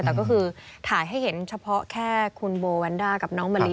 แต่ก็คือถ่ายให้เห็นเฉพาะแค่คุณโบแวนด้ากับน้องมะลิ